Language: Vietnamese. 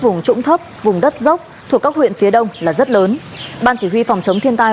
vùng trũng thấp vùng đất dốc thuộc các huyện phía đông là rất lớn ban chỉ huy phòng chống thiên tai